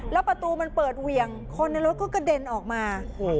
แล้วประตูมันเปิดเวียงคนในรถก็กระเด็นออกมา